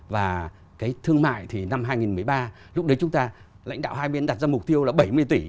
và cái thương mại thì năm hai nghìn một mươi ba lúc đấy chúng ta lãnh đạo hai bên đặt ra mục tiêu là bảy mươi tỷ